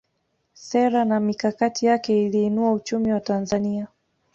sera na mikakati yake iliinua uchumi wa tanzania